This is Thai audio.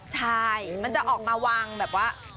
ใช่มันจะออกมาวางแบบว่า